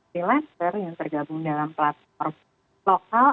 freelancer yang tergabung dalam platform lokal